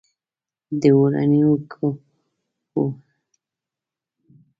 د اورینوکو سیند یوه مرستیال انجیل ځړوی لري.